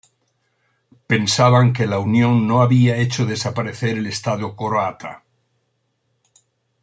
Pensaban que la unión no había hecho desaparecer el Estado croata.